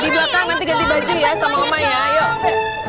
di belakang nanti ganti baju ya sama oma ya ayo